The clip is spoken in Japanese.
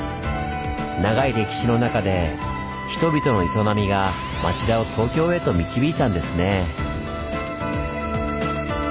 長い歴史の中で人々の営みが町田を東京へと導いたんですね。